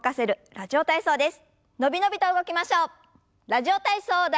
「ラジオ体操第１」。